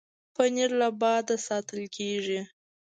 پنېر له باده ساتل کېږي.